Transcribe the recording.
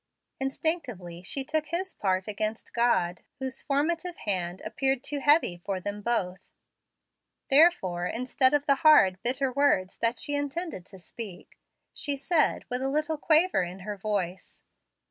Instinctively she took his part against God, whose formative hand appeared too heavy for them both. Therefore, instead of the hard, bitter words that she intended to speak, she said, with a little quaver in her voice.